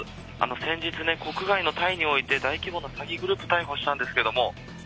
先日ね、国外のタイにおいて大規模な詐欺グループ、逮捕したんですけれども。